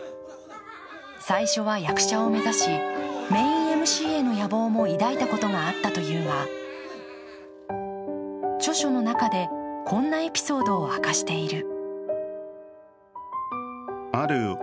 最初は役者を目指しメインＭＣへの野望も抱いたことがあったというが、著書の中でこんなエピソードを明かしている。